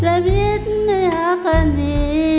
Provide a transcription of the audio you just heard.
และวิทย์ในอาการนี้